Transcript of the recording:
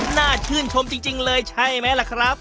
น่าชื่นชมจริงเลยใช่ไหมล่ะครับ